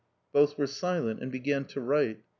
Both were silent and began to write.